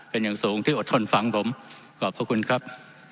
เป็นอย่างสูงที่อดทนฟังผมขอบพระคุณครับ